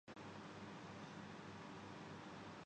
کسی تیسرے فریق پہ۔